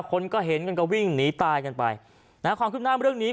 คนก็เห็นกันก็วิ่งหนีตายกันไปนะฮะความคืบหน้าเรื่องนี้